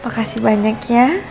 makasih banyak ya